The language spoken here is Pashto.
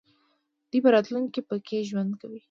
دوی په راتلونکي کې پکې ژوند کوي.